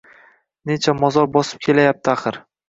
Necha mozor bosib kelayapti axir